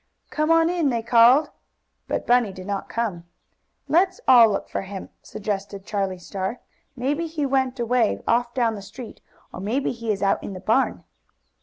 "Come on in!" they called. But Bunny did not come. "Let's all look for him," suggested Charlie Star. "Maybe he went away off down the street, or maybe he is out in the barn."